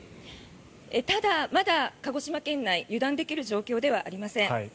ただ、まだ鹿児島県内油断できる状況ではありません。